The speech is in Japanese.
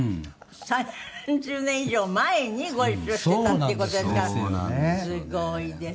３０年以上前にご一緒してたっていう事ですからすごいですよね。